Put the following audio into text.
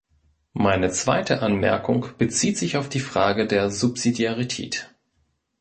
Meine zweite Anmerkung bezieht sich auf die Frage der Subsidiarität.